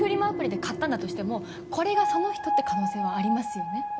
アプリで買ったんだとしてもこれがその人って可能性はありますよね。